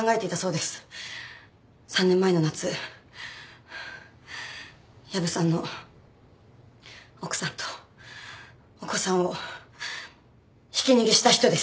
３年前の夏薮さんの奥さんとお子さんをひき逃げした人です。